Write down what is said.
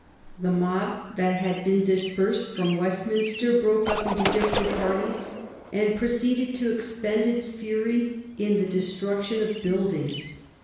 The mob that had been dispersed from Westminster broke up into different parties and proceeded to expend its fury in the destruction of buildings.